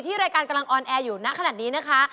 รายการกำลังออนแอร์อยู่ณขนาดนี้นะคะ